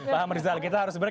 pak hamrizal kita harus break